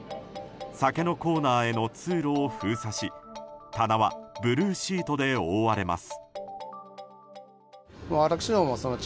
酒のコーナーへの通路を封鎖し棚はブルーシートで覆われます。